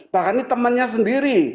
bahkan ini temannya sendiri